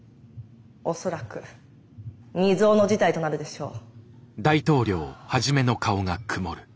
恐らく未曽有の事態となるでしょう。